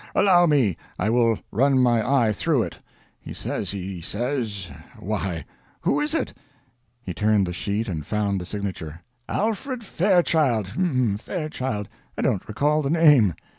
Allow me I will run my eye through it. He says he says why, who is it?" He turned the sheet and found the signature. "Alfred Fairchild hm Fairchild I don't recall the name.